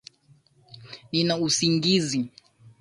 Nina usingizi